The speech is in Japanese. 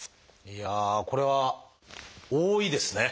いやあこれは多いですね。